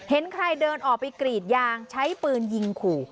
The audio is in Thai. เห็นใครเดินออกไปกรีดยางใช้ปืนยิงขู่